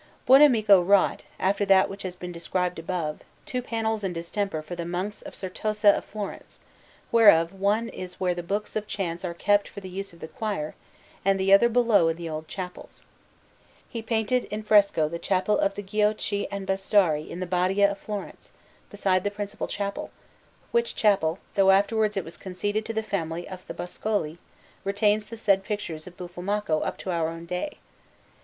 Buonamico wrought, after that which has been described above, two panels in distemper for the Monks of the Certosa of Florence, whereof one is where the books of chants are kept for the use of the choir, and the other below in the old chapels. He painted in fresco the Chapel of the Giochi and Bastari in the Badia of Florence, beside the principal chapel; which chapel, although afterwards it was conceded to the family of the Boscoli, retains the said pictures of Buffalmacco up to our own day.